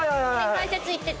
解説行ってて。